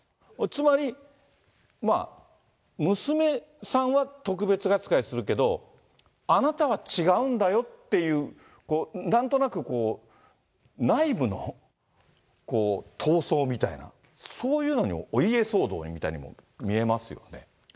つまり娘さんは特別扱いするけど、あなたは違うんだよっていう、なんとなく内部の闘争みたいな、そういうのに、お家騒動みたいなのにも見えますよね。